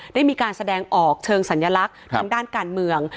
ได้มีการแสดงออกเชิงสัญลักษณ์ทางด้านการเมือง